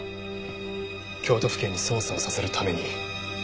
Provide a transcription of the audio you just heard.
京都府警に捜査をさせるために。